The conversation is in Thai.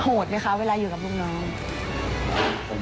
ไหมคะเวลาอยู่กับลูกน้อง